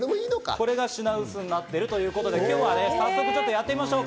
これが品薄になっているということで早速やってみましょう。